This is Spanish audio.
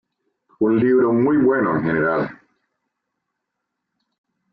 Un libro muy bueno, en general.